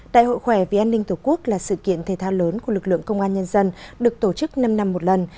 đại hội khỏe vì an ninh tổ quốc là sự kiện thể thao lớn của lực lượng công an nhân dân được tổ chức năm năm một lần